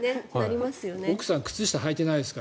奥さん靴下はいてないですか？